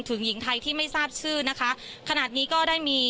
พูดสิทธิ์ข่าวธรรมดาทีวีรายงานสดจากโรงพยาบาลพระนครศรีอยุธยาครับ